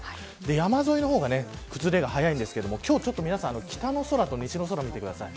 山沿いの方が崩れが早いんですが今日ちょっと皆さん北の空と西の空を見てください。